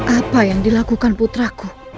apa yang dilakukan putraku